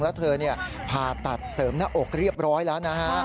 แล้วเธอผ่าตัดเสริมหน้าอกเรียบร้อยแล้วนะฮะ